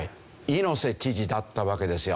猪瀬知事だったわけですよ。